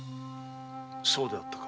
そうであったか。